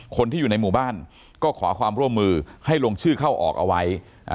คนที่อยู่ในหมู่บ้านก็ขอความร่วมมือให้ลงชื่อเข้าออกเอาไว้